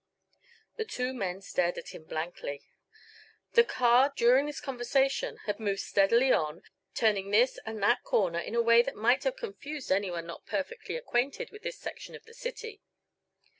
The two men stared at him blankly. The car, during this conversation, had moved steadily on, turning this and that corner in a way that might have confused anyone not perfectly acquainted with this section of the city.